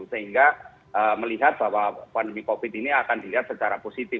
sehingga melihat bahwa pandemi covid ini akan dilihat secara positif